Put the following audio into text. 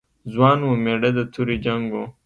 ځوان و، مېړه د تورې جنګ و.